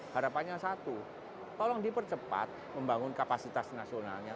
harapannya satu tolong dipercepat membangun kapasitas nasionalnya